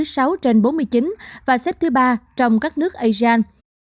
tổng số ca tử vong trên bốn mươi chín và xếp thứ ba trong các nước asean